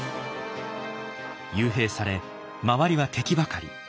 幽閉され周りは敵ばかり。